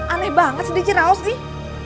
aneh banget sedih cerah os nih